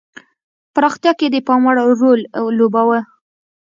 پراختیا کې د پاموړ رول لوباوه.